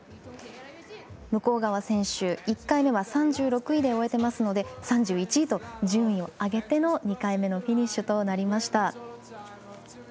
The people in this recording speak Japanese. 向川選手、１回目は３６位で終えていますので３１と順位を上げての２回目のフィニッシュとなりました。